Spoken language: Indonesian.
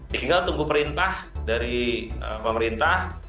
tinggal tunggu perintah dari pemerintah